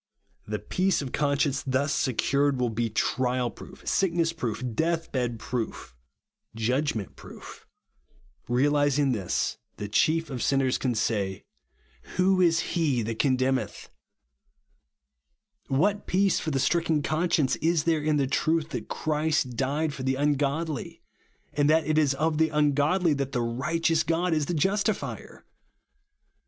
The peace of conscience thus secured will be trial proof, sickness proof, deathbed proof, judg ment proof Realising this, the chief of RI.rHTEOUS GRACE. 49 sinners can say, " Who is L e that con demneth V What peace for the stricken conscience is tliere in the truth that Christ died for the ungodly; and that it is of the ungodly that the rigliteous God is the Justifier